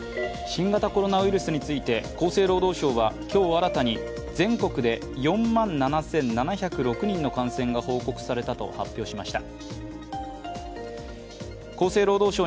新型コロナウイルスについて厚生労働省は今日、新たに全国で４万７７０６人の感染が報告されたと発表しました。